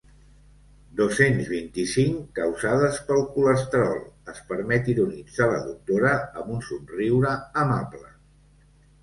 Dos-cents vint-i-cinc causades pel colesterol, es permet ironitzar la doctora amb un somriure amable.